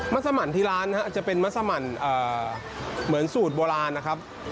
ัสมันที่ร้านนะครับจะเป็นมัสมันเหมือนสูตรโบราณนะครับ